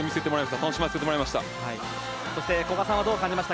楽しませてもらいました。